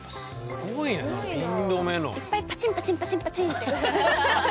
いっぱいパチンパチンパチンパチンって音して。